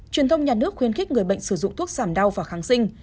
truyền thông nhà nước khuyến khích người bệnh sử dụng thuốc giảm đau và kháng sinh